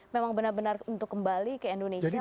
memang benar benar untuk kembali ke indonesia